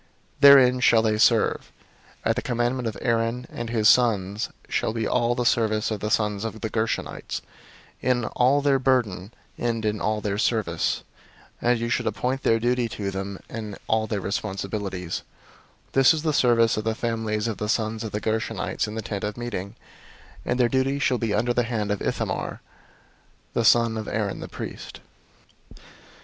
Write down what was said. Therein shall they serve. 004:027 At the commandment of Aaron and his sons shall be all the service of the sons of the Gershonites, in all their burden, and in all their service; and you shall appoint to them in charge all their burden. 004:028 This is the service of the families of the sons of the Gershonites in the Tent of Meeting: and their charge shall be under the hand of Ithamar the son of Aaron the priest.